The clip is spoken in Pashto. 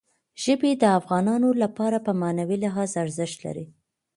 ژبې د افغانانو لپاره په معنوي لحاظ ارزښت لري.